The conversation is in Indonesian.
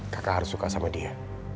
kakak harus suka sama dia